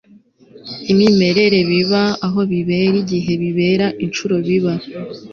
imimerere biba, aho bibera, igihe bibera, inshuro biba